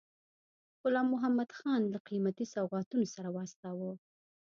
غلام محمدخان له قیمتي سوغاتونو سره واستاوه.